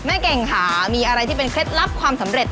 เก่งค่ะมีอะไรที่เป็นเคล็ดลับความสำเร็จ